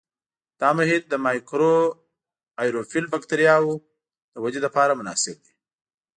دا محیط د مایکروآیروفیل بکټریاوو د ودې لپاره مناسب دی.